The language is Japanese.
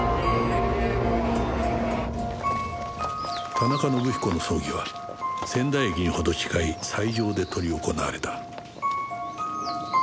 田中伸彦の葬儀は仙台駅にほど近い斎場で執り行われた